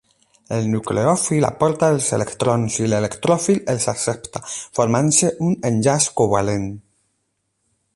El nucleòfil aporta els electrons i l'electròfil els accepta, formant-se un enllaç covalent.